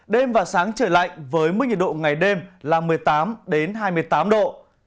đêm và sáng trời lạnh với mức nhiệt độ ngày đêm là một mươi tám hai mươi tám độ